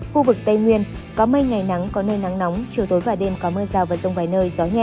khu vực tây nguyên có mây ngày nắng có nơi nắng nóng chiều tối và đêm có mưa rào và rông vài nơi gió nhẹ